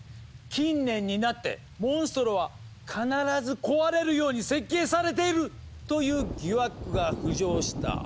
近年になってモンストロは「必ず壊れるように設計されている」という疑惑が浮上した。